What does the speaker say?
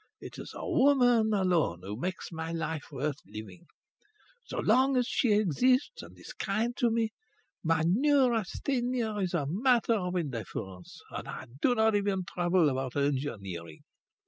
It is the woman alone who makes my life worth living. So long as she exists and is kind to me my neurasthenia is a matter of indifference, and I do not even trouble about engineering."